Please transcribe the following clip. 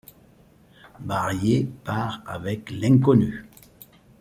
Barrier part avec l'inconnu.